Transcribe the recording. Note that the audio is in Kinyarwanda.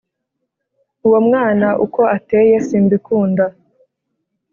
Uwo mwana uko ateye simbikunda